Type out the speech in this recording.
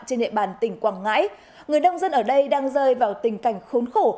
trên địa bàn tỉnh quảng ngãi người nông dân ở đây đang rơi vào tình cảnh khốn khổ